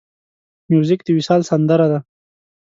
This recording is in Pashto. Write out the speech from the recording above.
موزیک د وصال سندره ده.